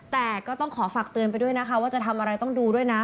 แต่ก็ต้องขอฝากเตือนไปด้วยนะคะว่าจะทำอะไรต้องดูด้วยนะ